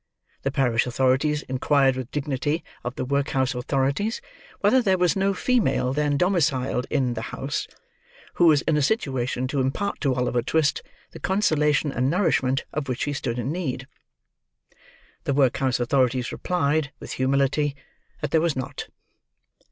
The parish authorities inquired with dignity of the workhouse authorities, whether there was no female then domiciled in "the house" who was in a situation to impart to Oliver Twist, the consolation and nourishment of which he stood in need. The workhouse authorities replied with humility, that there was not.